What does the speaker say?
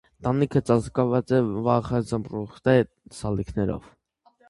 Տանիքը ծածկված է վառ զմրուխտե սալիկներով։